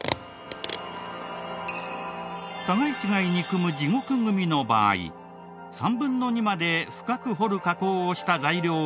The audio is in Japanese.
互い違いに組む地獄組の場合３分の２まで深く掘る加工をした材料を用意。